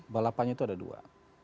balapannya itu ada dua